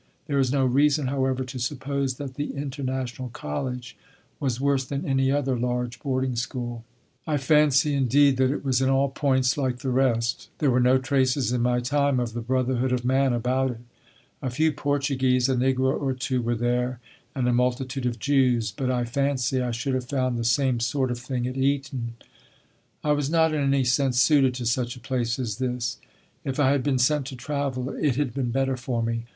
There is no reason, however, to suppose that the International College was worse than any other large boarding school. I fancy, indeed, that it was in all points like the rest. There were no traces in my time of the Brotherhood of Man about it. A few Portuguese, a negro or two were there, and a multitude of Jews. But I fancy I should have found the same sort of thing at Eton. I was not in any sense suited to such a place as this; if I had been sent to travel it had been better for me.